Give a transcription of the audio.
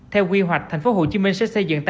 theo quy hoạch thành phố hồ chí minh sẽ xây dựng